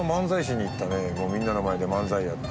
みんなの前で漫才やって。